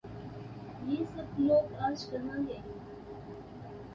یہ سب لوگ آج کہاں ہیں؟